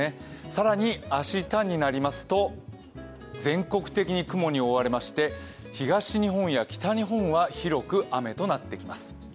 更に明日になりますと全国的に雲に覆われまして、東日本や北日本は広く雨となってきます。